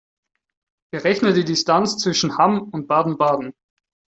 Berechne die Distanz zwischen Hamm und Baden-Baden